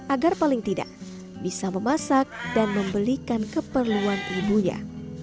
agar paling tidak bisa memasak dan membelikan keperluan ibunya